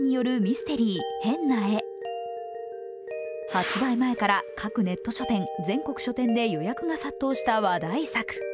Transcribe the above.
発売前から各ネット書店、全国書店で予約が殺到した話題作。